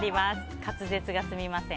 滑舌が、すみません。